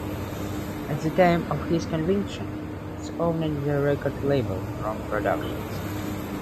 At the time of his conviction, Hicks owned the record label Romp Productions.